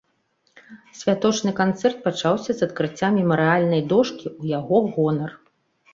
Святочны канцэрт пачаўся з адкрыцця мемарыяльнай дошкі ў яго гонар.